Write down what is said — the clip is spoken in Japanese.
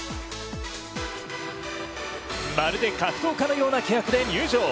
まるで、格闘家のような気迫で入場。